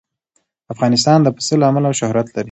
افغانستان د پسه له امله شهرت لري.